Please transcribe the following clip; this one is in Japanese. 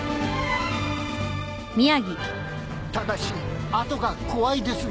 ただし後が怖いですが。